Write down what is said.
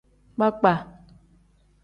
Kpakpa.